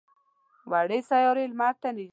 وړې سیارې لمر ته نږدې وي دا یو مثال دی.